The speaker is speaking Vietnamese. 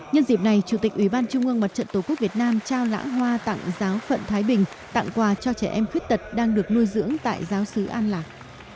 nhân dịp này chủ tịch ủy ban trung ương mặt trận tổ quốc việt nam trao lãng hoa tặng giáo phận thái bình tặng quà cho trẻ em khuyết tật đang được nuôi dưỡng tại giáo sứ an lạc